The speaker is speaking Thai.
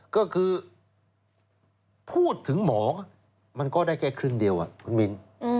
ก็คือพูดถึงหมอมันก็ได้แค่ครึ่งเดียวคุณมิ้น